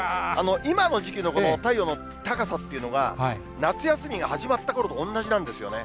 今の時期のこの太陽の高さっていうのが、夏休みが始まったころとおんなじなんですよね。